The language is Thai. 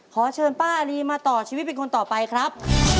ขอเชิญป้าอารีมาต่อชีวิตเป็นคนต่อไปครับ